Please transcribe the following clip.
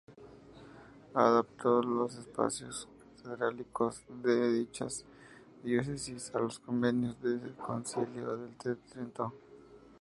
Adaptó los espacios catedralicios de dichas diócesis a los convenios del Concilio de Trento.